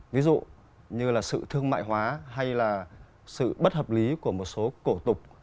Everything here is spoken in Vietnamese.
ví dụ như là sự thương mại hóa hay là sự bất hợp lý của một số cổ tục